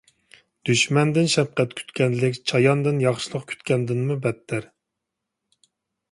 دۈشمەندىن شەپقەت كۈتكەنلىك چاياندىن ياخشىلىق كۈتكەندىنمۇ بەتتەر.